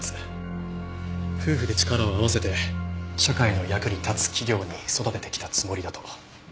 夫婦で力を合わせて社会の役に立つ企業に育ててきたつもりだと。